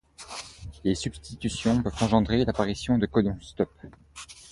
Les substitutions peuvent engendrer l'apparition de codons stop.